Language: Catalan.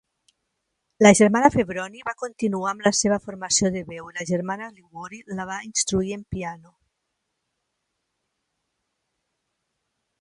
La germana Febronie va continuar amb la seva formació de veu i la germana Liguori la va instruir en piano.